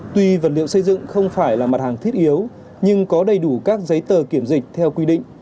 tuy vật liệu xây dựng không phải là mặt hàng thiết yếu nhưng có đầy đủ các giấy tờ kiểm dịch theo quy định